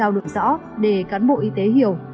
đào được rõ để cán bộ y tế hiểu